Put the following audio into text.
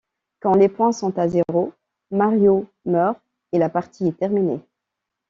Quand les points sont à zéro, Mario meurt et la partie est terminée.